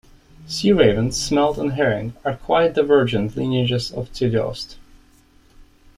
Sea ravens, smelt, and herring are quite divergent lineages of teleost.